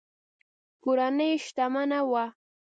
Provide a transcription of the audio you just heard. کورنۍ یې شتمنه وه.